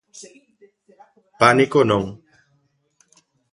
Pánico non.